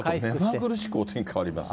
目まぐるしくお天気変わりますね。